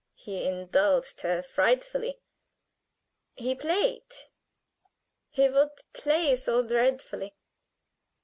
He indulged her frightfully. He played he would play so dreadfully.